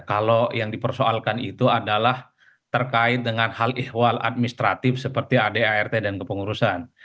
kalau yang dipersoalkan itu adalah terkait dengan hal ihwal administratif seperti adart dan kepengurusan